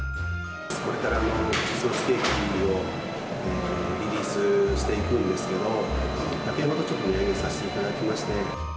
これからクリスマスケーキをリリースしていくんですけれども、先ほど、ちょっと値上げさせていただきまして。